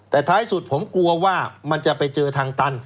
แต่ท้ายสุดผมกลัวว่ามันจะไปเจอทางตัน